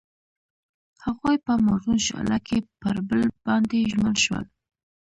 هغوی په موزون شعله کې پر بل باندې ژمن شول.